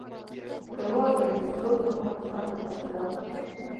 ښوروا د زوړ عمر خلکو ته قوت ورکوي.